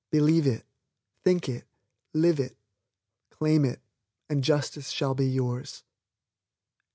Believe it, think it, live it, claim it and Justice shall be yours.